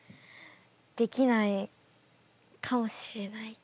できないかもしれないって。